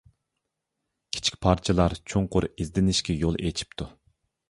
كىچىك پارچىلار چوڭقۇر ئىزدىنىشكە يول ئېچىپتۇ.